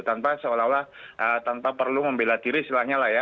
tanpa seolah olah tanpa perlu membela diri istilahnya lah ya